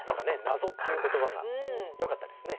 謎っていう言葉がよかったですね。